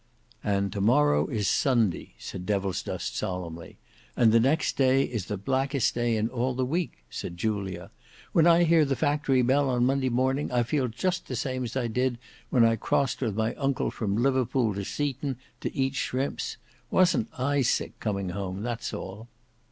"And to morrow is Sunday," said Devilsdust solemnly. "And the next day is the blackest day in all the week," said Julia. "When I hear the factory bell on Monday morning, I feel just the same as I did when I crossed with my uncle from Liverpool to Seaton to eat shrimps. Wasn't I sick coming home, that's all!"